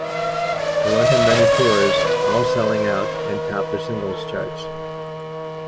They went on many tours, all selling out, and topped the singles charts.